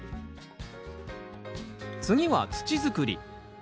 次は土づくり。